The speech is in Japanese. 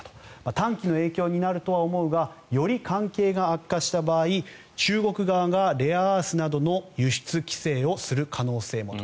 短期の影響になるとは思うがより関係が悪化した場合中国側がレアアースなどの輸出規制をする可能性もと。